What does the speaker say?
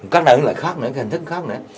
các loại khác nữa cái hình thức khác nữa